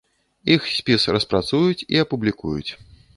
Іх спіс распрацуюць і апублікуюць.